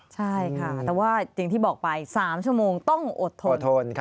ใช่ค่ะแต่ว่าอย่างที่บอกไป๓ชั่วโมงต้องอดทนอดทน